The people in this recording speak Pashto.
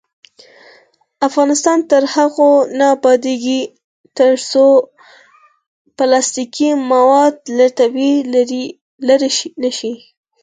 افغانستان تر هغو نه ابادیږي، ترڅو پلاستیکي مواد له طبیعت لرې نشي.